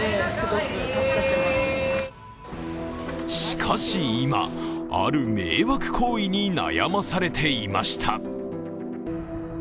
しかし今、ある迷惑行為に悩まされていました。